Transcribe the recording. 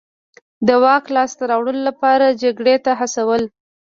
د واک لاسته راوړلو لپاره جګړې ته هڅول.